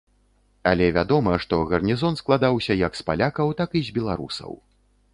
Але вядома, што гарнізон складаўся як з палякаў, так і з беларусаў.